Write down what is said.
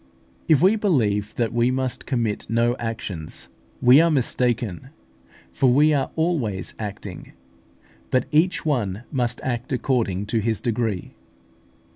If we believe that we must commit no actions, we are mistaken, for we are always acting; but each one must act according to his degree.